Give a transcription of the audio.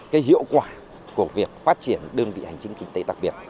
cái hiệu quả của việc phát triển đơn vị hành chính kinh tế đặc biệt